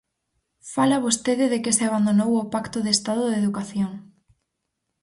Fala vostede de que se abandonou o Pacto de Estado de educación.